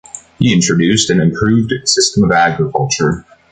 He introduced an improved system of agriculture.